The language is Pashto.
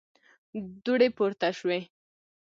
دوړې پورته شوې.